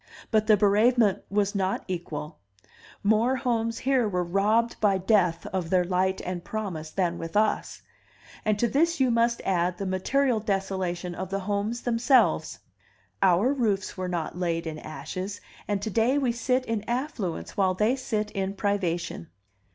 But the bereavement was not equal. More homes here were robbed by death of their light and promise than with us; and to this you must add the material desolation of the homes themselves. Our roofs were not laid in ashes, and to day we sit in affluence while they sit in privation.